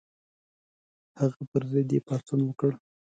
هغه پر ضد یې پاڅون وکړ.